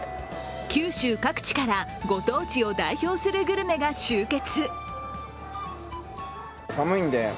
九州各地からご当地を代表するグルメが集結。